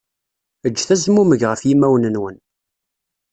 Ǧǧet azmummeg ɣef yimawen-nwen.